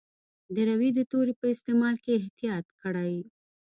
د روي د توري په استعمال کې احتیاط کړی.